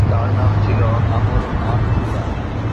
তার নাম ছিল আমর আল উলা।